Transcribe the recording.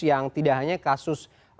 yang tidak hanya kasus